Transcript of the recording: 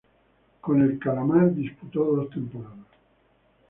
Con el "calamar" disputó dos temporadas.